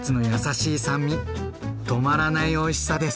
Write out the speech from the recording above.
止まらないおいしさです。